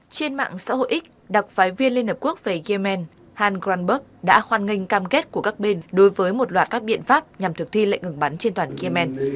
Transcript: trên mạng xã hội x đặc phái viên liên hợp quốc về yemen han granberg đã hoan nghênh cam kết của các bên đối với một loạt các biện pháp nhằm thực thi lệnh ngừng bắn trên toàn yemen